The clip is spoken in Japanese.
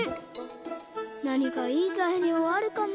なにかいいざいりょうあるかな？